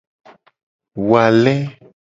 Wu ale.